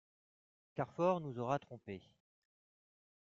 Carfor nous aura trompés.